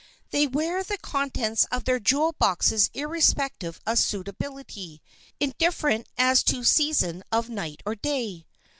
They wear the contents of their jewel boxes irrespective of suitability, indifferent as to season of night or day.